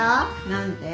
何て？